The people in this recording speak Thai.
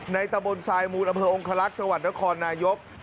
ตะบนทรายมูลอำเภอองคลักษณ์จังหวัดนครนายก